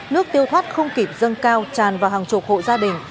nước tiêu thoát không kịp dân cao tràn vào hàng chục hộ gia đình